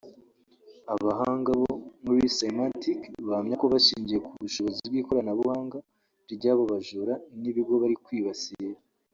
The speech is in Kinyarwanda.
Abahanga bo muri Symantec bahamya ko bashingiye ku bushobozi bw’ikoranabuhanga ry’abo bajura n’ibigo bari kwibasira